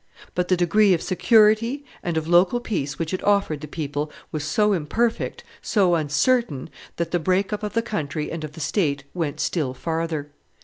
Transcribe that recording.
But the degree of security and of local peace which it offered the people was so imperfect, so uncertain, that the break up of the country and of the state went still farther.